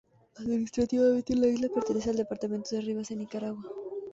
Administrativamente la isla pertenece al Departamento de Rivas, en Nicaragua.